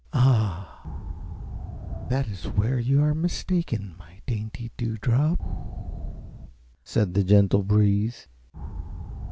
"Ah, that is where you are mistaken, my dainty Dewdrop," said the gentle breeze.